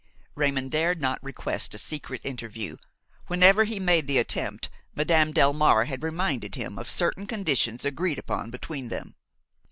Raymon dared not request a secret interview; whenever he had made the attempt, Madame Delmare had reminded him of certain conditions agreed upon between them.